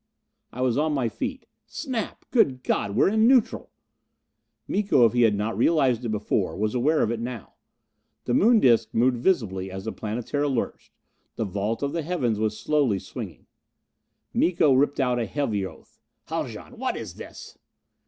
I was on my feet. "Snap! Good God, we're in neutral!" Miko, if he had not realized it before, was aware if it now. The Moon disc moved visibly as the Planetara lurched. The vault of the heavens was slowly swinging. Miko ripped out a heavy oath. "Haljan! What is this?"